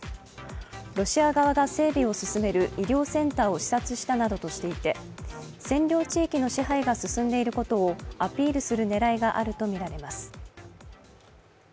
ロシア側が整備を進める医療センターを視察したなどとしていて占領地域の支配が進んでいることをアピールする狙いがあるとみられます。